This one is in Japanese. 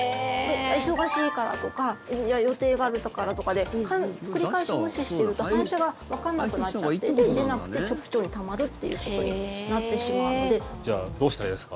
忙しいからとか予定があるからとかで繰り返し無視していると反射がわからなくなっちゃって出なくて、直腸にたまるということになってしまうので。